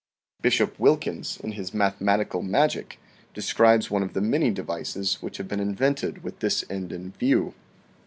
Bishop Wil kins in his " Mathematical Magick " describes one of the many devices which have been invented with this end in view.